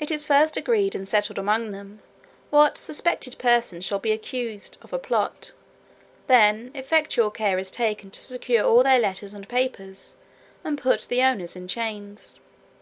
It is first agreed and settled among them, what suspected persons shall be accused of a plot; then, effectual care is taken to secure all their letters and papers, and put the owners in chains.